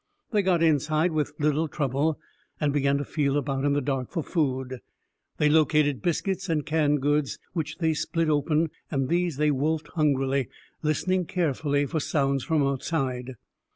They got inside with little trouble, and began to feel about in the dark for food. They located biscuits and canned goods which they split open, and these they wolfed hungrily, listening carefully for sounds from outside.